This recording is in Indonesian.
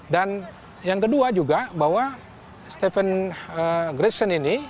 dan yang kedua juga bahwa steven eriksson ini